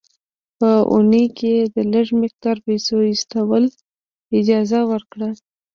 په اونۍ کې یې د لږ مقدار پیسو ایستلو اجازه ورکړه.